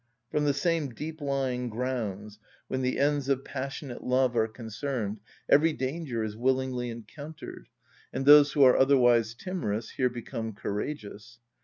From the same deep‐lying grounds, when the ends of passionate love are concerned, every danger is willingly encountered, and those who are otherwise timorous here become courageous.